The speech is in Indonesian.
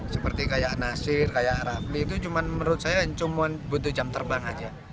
seperti kayak nasir kayak rafli itu cuma menurut saya cuma butuh jam terbang saja